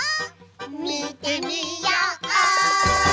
みてみよう！